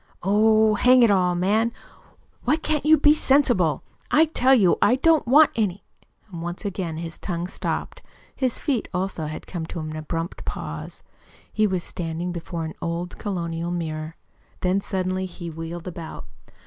"Oh, hang it all, man, why can't you be sensible? I tell you I don't want any " Once again his tongue stopped. His feet, also, had come to an abrupt pause. He was standing before an old colonial mirror. Then suddenly he wheeled about.